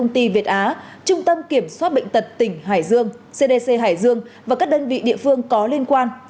trung tâm kiểm soát bệnh tật tỉnh hải dương cdc hải dương và các đơn vị địa phương có liên quan